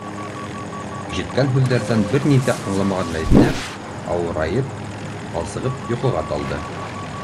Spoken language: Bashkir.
Ишеткән һүҙҙәрҙән бер ни ҙә аңламаған Мәҙинә, ауырайып, талсығып йоҡоға талды...